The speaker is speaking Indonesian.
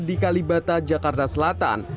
di kalibata jakarta selatan